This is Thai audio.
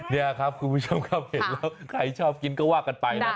นี่ครับคุณผู้ชมครับเห็นแล้วใครชอบกินก็ว่ากันไปนะ